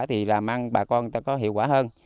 thì là mang bà con có hiệu quả hơn